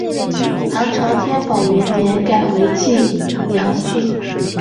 唐朝天宝元年改为济阳郡。